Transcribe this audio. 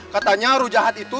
katanya ruh jahat itu